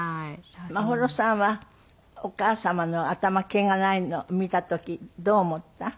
眞秀さんはお母様の頭毛がないのを見た時どう思った？